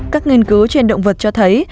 các nghiên cứu trên động vật cho thấy